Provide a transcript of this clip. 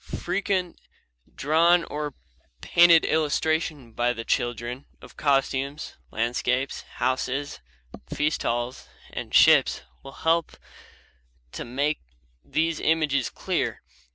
Frequent drawn or painted illustration by the children of costumes, landscapes, houses, feast halls, and ships will help to make these images clear.